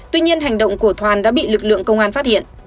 tuy nhiên hành động của thoàn đã bị lực lượng công an phát hiện